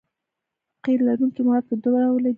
قیر لرونکي مواد په دوه ډوله دي